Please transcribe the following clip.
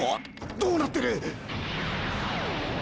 どうなってる？